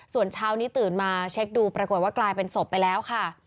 ส่วนเช้านี้ตื่นมาเช็คดูปรากฏว่ากลายเป็นศพไปแล้วค่ะ